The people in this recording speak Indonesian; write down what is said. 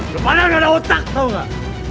gepadang nggak ada otak tau nggak